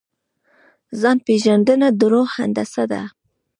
ځان پېژندنه د روح هندسه ده.